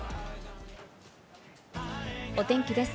お天気です。